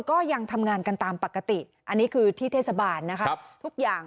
ก็ยังทำงานกันตามปกติอันนี้คือที่เทศบาลนะคะทุกอย่าง